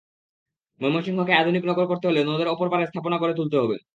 ময়মনসিংহকে আধুনিক নগর করতে হলে নদের অপর পাড়ে স্থাপনা গড়ে তুলতে হবে।